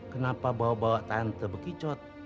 kenapa bawa bawa tante bekicot